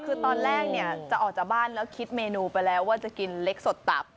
คือตอนแรกเนี่ยจะออกจากบ้านแล้วคิดเมนูไปแล้วว่าจะกินเล็กสดตับ